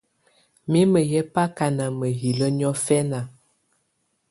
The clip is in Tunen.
Mimǝ̀ yɛ baka nà mahilǝ niɔ̀fɛna.